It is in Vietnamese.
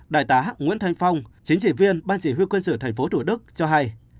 đại tá h nguyễn thanh phong chính trị viên ban chỉ huy quân sự thành phố thủ đức cho hay